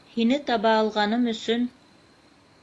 Һине таба алғаным өсөн